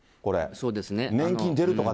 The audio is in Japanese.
そうですね。